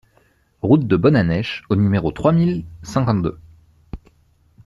Route de Bonnanech au numéro trois mille cinquante-deux